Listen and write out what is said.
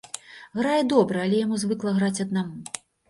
Грае добра, але яму звыкла граць аднаму.